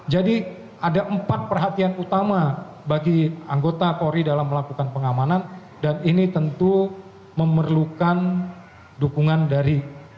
jadi ada empat perhatian utama bagi anggota polri dalam melakukan pengamanan dan ini tentu memerlukan dukungan dari